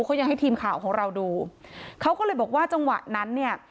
เขายังให้ทีมข่าวของเราดูเขาก็เลยบอกว่าจังหวะนั้นเนี่ย